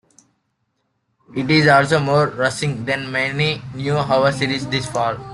It is also more rousing than many new hour series this fall.